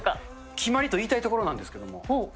決まりと言いたいところなんですけれども。